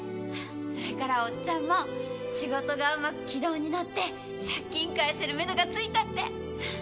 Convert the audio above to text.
それからオッチャンも仕事がうまく軌道に乗って借金返せるメドがついたって。